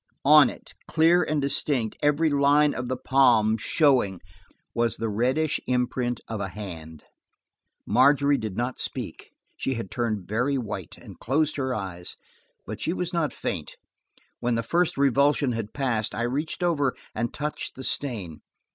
On it, clear and distinct, every line of the palm showing, was the reddish imprint of a hand! Margery did not speak; she had turned very white, and closed her eyes, but she was not faint. When the first revulsion had passed, I reached over and touched the stain.